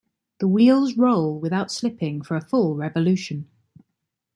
The wheels roll without slipping for a full revolution.